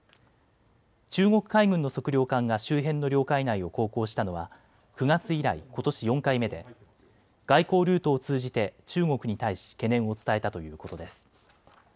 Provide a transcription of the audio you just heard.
中国海軍の測量艦が周辺の領海内を航行したのは９月以来ことし４回目で外交ルートを通じて中国に対し懸念を伝えたということです。